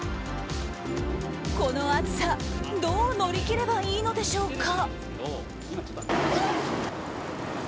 この暑さどう乗り切ればいいのでしょうか。